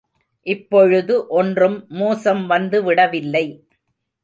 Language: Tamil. இப்பொழுது ஒன்றும் மோசம் வந்து விடவில்லை.